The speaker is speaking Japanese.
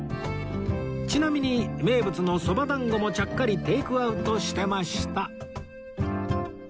ちなみに名物のそば団子もちゃっかりテイクアウトしてました